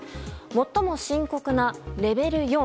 最も深刻なレベル